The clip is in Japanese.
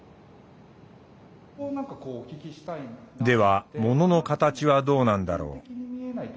では物のカタチはどうなんだろう。